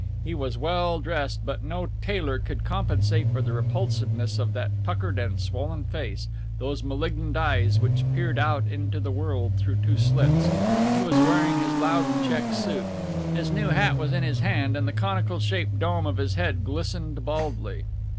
He was well dressed, but no tailor could compensate for the repulsiveness of that puckered and swollen face, those malignant eyes which peered out into the world through two slits. He was wearing his loud check suit, his new hat was in his hand and the conical shaped dome of his head glistened baldly.